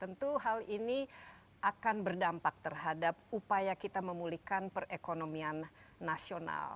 tentu hal ini akan berdampak terhadap upaya kita memulihkan perekonomian nasional